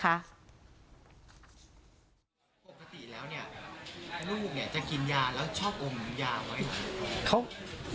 ปกติแล้วเนี่ยลูกเนี่ยจะกินยาแล้วชอบอมยาไหม